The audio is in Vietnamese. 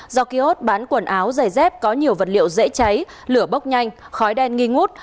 do kiosk bán quần áo giày dép có nhiều vật liệu dễ cháy lửa bốc nhanh khói đen nghi ngút